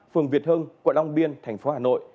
phường việt hưng quận long biên thành phố hà nội